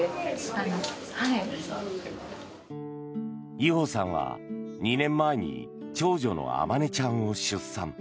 由帆さんは２年前に長女の弥ちゃんを出産。